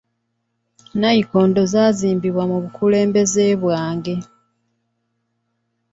Nnayikondo zaazimbibwa mu bukulembeze bwange.